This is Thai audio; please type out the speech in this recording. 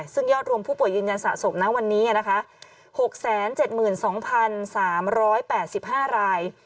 ซึ่งยอดรวมผู้ป่วยยืนยันสะสมนะวันนี้นะคะ๖๗๒๓๘๕ราย